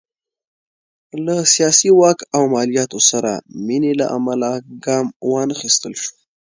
له سیاسي واک او مالیاتو سره مینې له امله ګام وانخیستل شو.